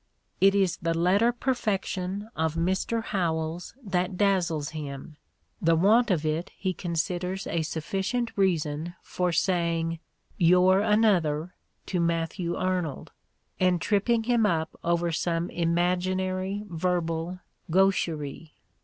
It is the letter perfection of Mr. Howells that dazzles him ; the want of it he considers a sufficient reason for saying "you're another" to Matthew Arnold and tripping him up over some imag inary verbal gaucherie.